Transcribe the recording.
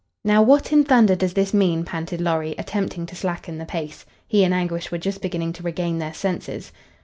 "Now, what in thunder does this mean?" panted Lorry, attempting to slacken the pace. He and Anguish were just beginning to regain their senses.